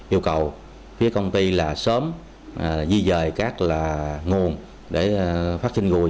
yêu cầu phía công ty là sớm di rời các là nguồn để phát sinh ruồi